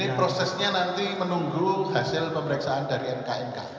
ini prosesnya nanti menunggu hasil pemeriksaan dari mknk